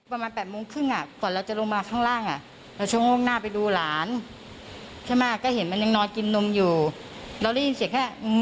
เรื่องธรรมชาติอยู่แล้วที่พ่อแม่ตีลูก